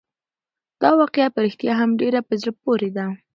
دا واقعه په رښتیا هم ډېره په زړه پورې ده.